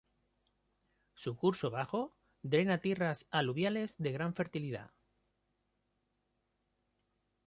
Su curso bajo drena tierras aluviales de gran fertilidad.